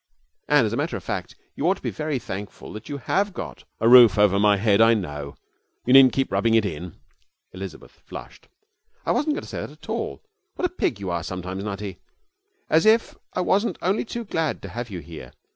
And, as a matter of fact, you ought to be very thankful that you have got ' 'A roof over my head? I know. You needn't keep rubbing it in.' Elizabeth flushed. 'I wasn't going to say that at all. What a pig you are sometimes, Nutty. As if I wasn't only too glad to have you here.